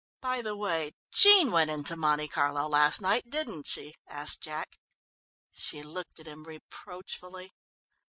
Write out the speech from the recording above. "By the way, Jean went into Monte Carlo last night, didn't she?" asked Jack. She looked at him reproachfully.